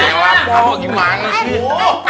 ya ampun gimana sih